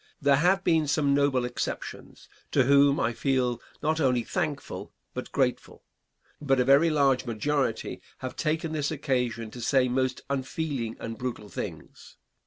There have been some noble exceptions, to whom I feel not only thankful but grateful; but a very large majority have taken this occasion to say most unfeeling and brutal things.